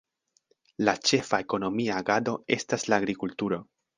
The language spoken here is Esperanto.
La ĉefa ekonomia agado estas la agrikulturo.